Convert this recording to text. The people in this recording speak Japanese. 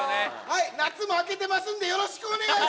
はい夏も開けてますんでよろしくお願いします！